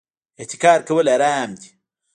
احتکار کول حرام دي